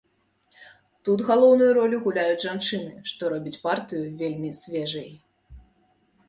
Тут галоўную ролю гуляюць жанчыны, што робіць партыю вельмі свежай.